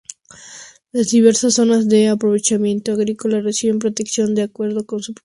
Las diversas zonas de aprovechamiento agrícola reciben protección de acuerdo con su potencial productor.